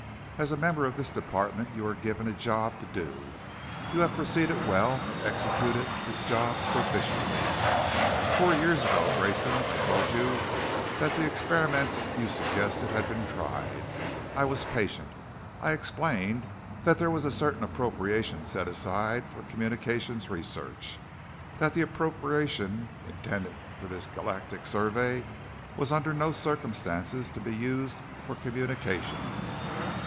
As a member of this department, you were given a job to do. You have proceeded well and executed this job proficiently. Four years ago, Grayson, I told you that the experiments you suggested had been tried. I was patient. I explained that there was a certain appropriation set aside for communications research; that the appropriation intended for this galactic survey was under no circumstances to be used for communications."